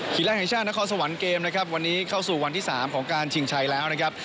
แรกแห่งชาตินครสวรรค์เกมนะครับวันนี้เข้าสู่วันที่๓ของการชิงชัยแล้วนะครับ